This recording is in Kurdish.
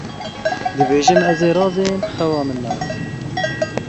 Dibêjim ez ê razêm, xewa min nayê.